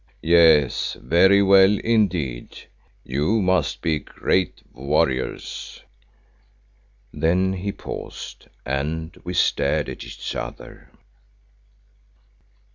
"Yes, very well indeed. You must be great warriors." Then he paused and we stared at each other.